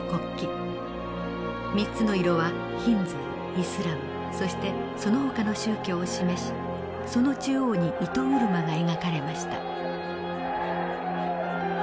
３つの色はヒンズーイスラムそしてそのほかの宗教を示しその中央に糸車が描かれました。